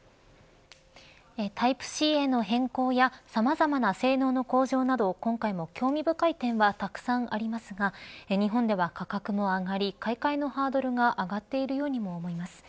タイプＣへの変更やさまざまな性能の向上など今回も興味深い点はたくさんありますが日本では価格も上がり買い替えのハードルが上がっているようにも思います。